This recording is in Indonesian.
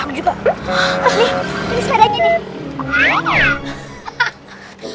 amalia kamu yakin sepedanya yang bagus